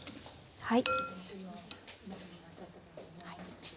はい。